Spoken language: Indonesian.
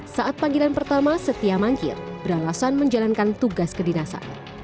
saat panggilan pertama setia mangkir beralasan menjalankan tugas kedinasan